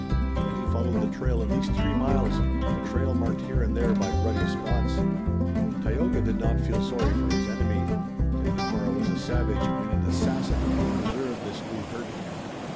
Then he followed the trail at least three miles, a trail marked here and there by ruddy spots. Tayoga did not feel sorry for his enemy. Tandakora was a savage and an assassin, and he deserved this new hurt.